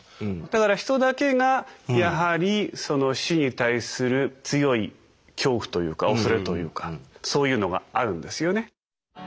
だからヒトだけがやはりその死に対する強い恐怖というか恐れというかそういうのがあるんですよね。